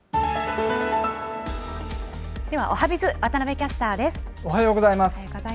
ではおはＢｉｚ、おはようございます。